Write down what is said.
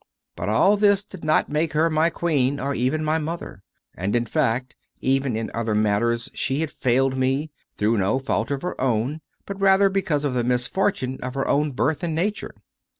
But all this did not make her my queen or even my mother; and, hi fact, even in other matters she had failed me, through no fault of her own, but rather because of the misfortune of her own birth and nature.